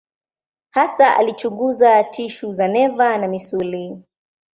Hasa alichunguza tishu za neva na misuli.